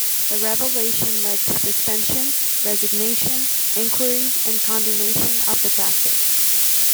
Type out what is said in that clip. The revelation led to suspensions, resignations, inquiries and condemnation of the practice.